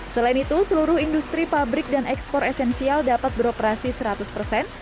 selain itu seluruh industri pabrik dan ekspor esensial dapat beroperasi seratus persen